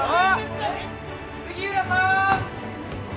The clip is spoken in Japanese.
杉浦さん！